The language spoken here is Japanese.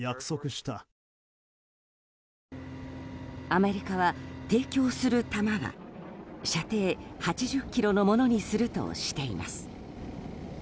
アメリカは提供する弾は射程８０ｋｍのものにするとしています。